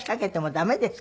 駄目です。